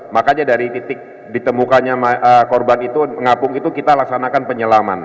makanya dari titik ditemukannya korban itu mengapung itu kita laksanakan penyelaman